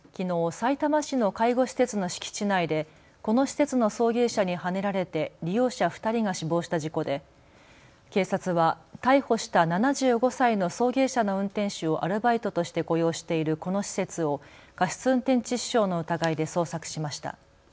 さいたま市の介護施設の敷地内でこの施設の送迎車にはねられて利用者２人が死亡した事故で警察は逮捕した７５歳の送迎車の運転手をアルバイトとして雇用しているこの施設を過失運転致死傷の疑いで捜索しました。